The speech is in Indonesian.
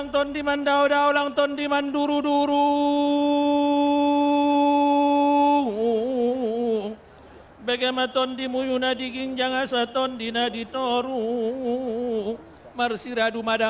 tentang prosesi ini saya ingin mengucapkan kepada anda